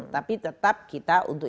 tapi tetap kita untuk